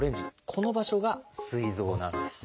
この場所がすい臓なんです。